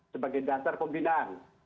sebagai dasar pembinaan